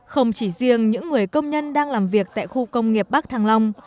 không chỉ riêng những người công nhân đang làm việc tại khu công nghiệp bắc thăng long